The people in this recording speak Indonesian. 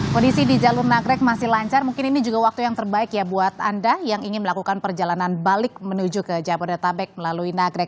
kondisi di jalur nagrek masih lancar mungkin ini juga waktu yang terbaik ya buat anda yang ingin melakukan perjalanan balik menuju ke jabodetabek melalui nagrek